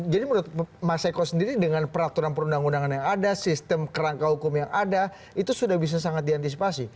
jadi menurut mas eko sendiri dengan peraturan perundangan undangan yang ada sistem kerangka hukum yang ada itu sudah bisa sangat diantisipasi